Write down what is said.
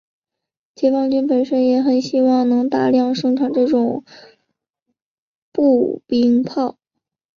解放军本身也很希望能大量生产这种步兵炮。